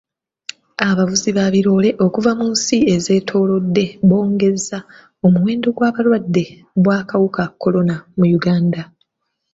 Abavuzi ba birooole okuva mu nsi ezitwetoolodde bongezza omuwendo gw'abalwadde bw'akawuka kolona mu Uganda.